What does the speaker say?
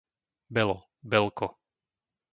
Belo, Belko